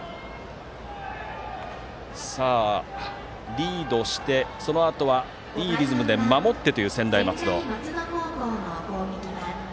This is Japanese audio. リードして、そのあとはいいリズムで守ってという専大松戸です。